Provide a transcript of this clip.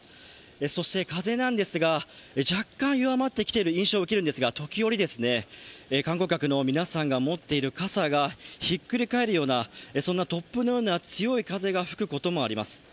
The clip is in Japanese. そして風なんですが、若干弱まってきている印象を受けるんですが、時折観光客の皆さんが持っている傘がひっくり返るような、突風のような強い風が吹くこともあります。